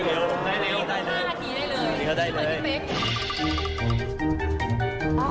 มันค่ะคือได้เลย